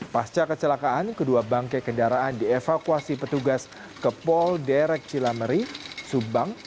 pasca kecelakaan kedua bangke kendaraan dievakuasi petugas ke pol derek cilameri subang